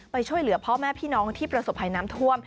ช่วยเหลือพ่อแม่พี่น้องที่ประสบภัยน้ำท่วม